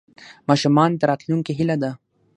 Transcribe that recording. ماشومان د راتلونکي هیله ده.